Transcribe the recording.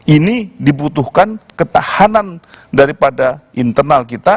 ini dibutuhkan ketahanan daripada internal kita